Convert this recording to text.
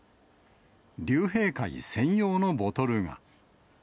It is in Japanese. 竜兵会専用のボトルが。